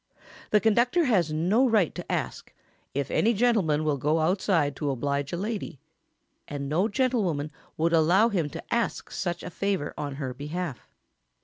] The conductor has no right to ask "if any gentleman will go outside to oblige a lady"; and no gentlewoman would allow him to ask such a favour on her behalf.